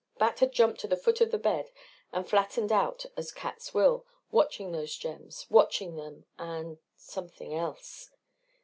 Bat had jumped to the foot of the bed and flattened out as cats will, watching those gems, watching them and something else!